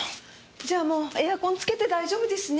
じゃあもうエアコンつけて大丈夫ですね。